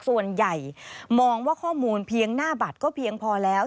ส่วนใหญ่มองว่าข้อมูลเพียงหน้าบัตรก็เพียงพอแล้ว